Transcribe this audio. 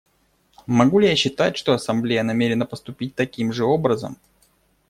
Могу ли я считать, что Ассамблея намерена поступить таким же образом?